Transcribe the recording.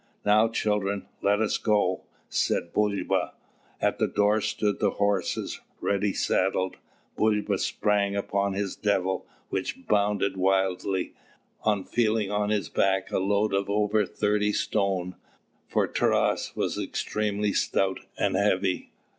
"Now, children, let us go," said Bulba. At the door stood the horses, ready saddled. Bulba sprang upon his "Devil," which bounded wildly, on feeling on his back a load of over thirty stone, for Taras was extremely stout and heavy.